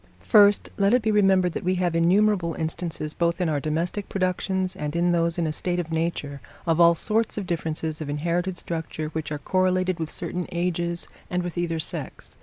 First, let it be remembered that we have innumerable instances, both in our domestic productions and in those in a state of nature, of all sorts of differences of inherited structure which are correlated with certain ages and with either sex.